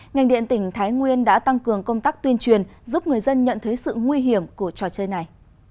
ngành điện tỉnh thái nguyên đã tăng cường công tác tuyên truyền giúp người dân nhận thấy sự nguy hiểm của trò chơi này